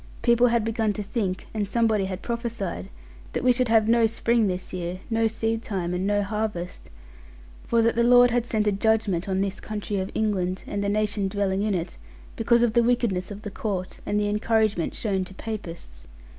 People had begun to think, and somebody had prophesied, that we should have no spring this year, no seed time, and no harvest; for that the Lord had sent a judgment on this country of England, and the nation dwelling in it, because of the wickedness of the Court, and the encouragement shown to Papists.